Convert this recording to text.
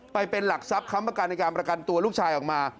ไปเป็นหลักทรัพย์ค้ำประกันในการประกันตัวลูกชายออกมา